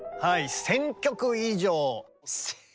１，０００曲以上。